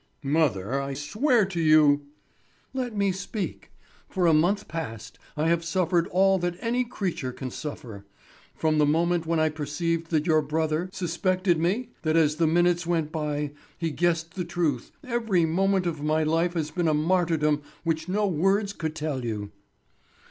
"Mother, I swear to you—" "Let me speak. For a month past I have suffered all that any creature can suffer. From the moment when I perceived that your brother, my other son, suspected me, that as the minutes went by, he guessed the truth, every moment of my life has been a martyrdom which no words could tell you."